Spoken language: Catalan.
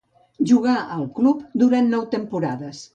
Jugà al club durant nou temporades.